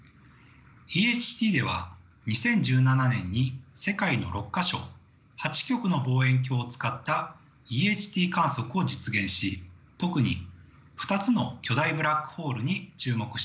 ＥＨＴでは２０１７年に世界の６か所８局の望遠鏡を使ったＥＨＴ観測を実現し特に２つの巨大ブラックホールに注目していました。